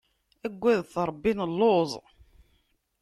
Agadet Rebbi, nelluẓ!